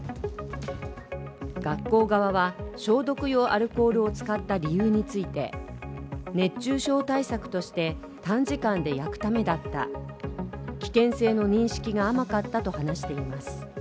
学校側は、消毒用アルコールを使った理由について熱中症対策として短時間で焼くためだった、危険性の認識が甘かったと話しています。